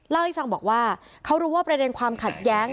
เล่าให้ฟังบอกว่าเขารู้ว่าประเด็นความขัดแย้ง